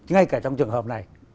ngay cả trong trường hợp này